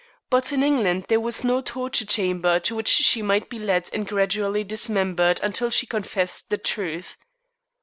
But in England there was no torture chamber to which she might be led and gradually dismembered until she confessed the truth.